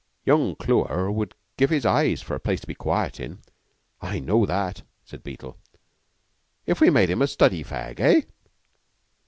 "Young Clewer would give his eyes for a place to be quiet in. I know that," said Beetle. "If we made him a study fag, eh?"